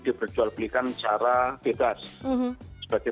diperjualbelikan secara bebas sebagai